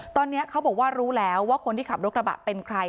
ตอนนี้เขาบอกว่ารู้แล้วว่าคนที่ขับรถกระบะเป็นใคร